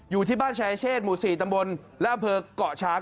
อยู่ที่บ้านชายเชษหมู่๔ตำบลและอำเภอกเกาะช้าง